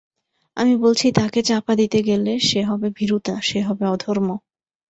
আমি বলছি, তাকে চাপা দিতে গেলে সে হবে ভীরুতা, সে হবে অধর্ম।